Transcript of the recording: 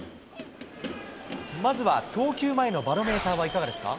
まずは投球前のバロメーターはいかがですか。